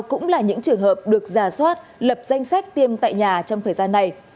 cũng là những trường hợp được giả soát lập danh sách tiêm tại nhà trong thời gian này